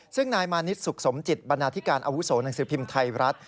ซึ่งนายมานิดสุขสมจิตบรรณาธิการอาวุโสหนังสือพิมพ์ไทยรัฐ